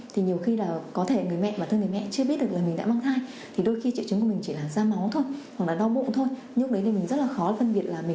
thì như vậy là có thể thấy tình trạng sảy thai thì gây ra ảnh hưởng rất lớn đến sức khỏe của bà mẹ